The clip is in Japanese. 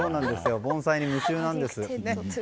盆栽に夢中なんです。